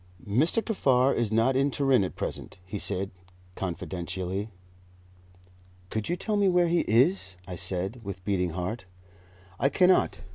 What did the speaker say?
"Mr. Kaffar is not in Turin at present," he said confidentially. "Could you tell me where he is?" I said, with beating heart. "I cannot.